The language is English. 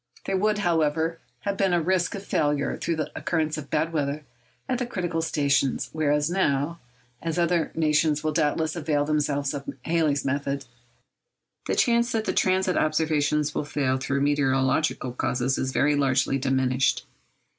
There would, however, have been a risk of failure through the occurrence of bad weather at the critical stations; whereas now—as other nations will doubtless avail themselves of Halley's method—the chance that the transit observations will fail through meteorological causes is very largely diminished.